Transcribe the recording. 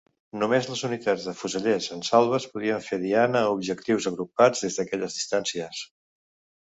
Només les unitats de fusellers en salves podien fer diana a objectius agrupats des d'aquelles distàncies.